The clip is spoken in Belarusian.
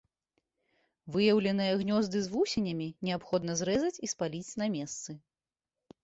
Выяўленыя гнёзды з вусенямі неабходна зрэзаць і спаліць на месцы.